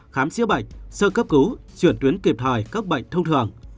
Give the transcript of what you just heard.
khám chữa bệnh sơ cấp cứu chuyển tuyến kịp thời các bệnh thông thường